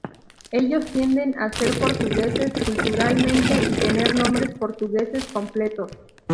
Ellos tienden a ser portugueses culturalmente y tener nombres portugueses completos.